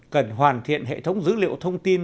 cần hoàn thiện hệ thống dữ liệu thông tin